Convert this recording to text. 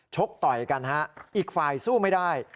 กต่อยกันฮะอีกฝ่ายสู้ไม่ได้